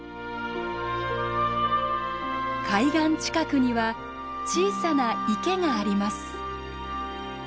海岸近くには小さな池があります。